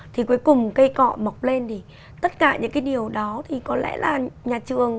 thì cuối cùng cây cọ mọc lên thì tất cả những cái điều đó thì có lẽ là nhà trường